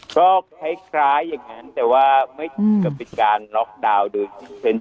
ก็คล้ายอย่างนั้นแต่ว่าไม่ก็เป็นการล็อกดาวน์โดย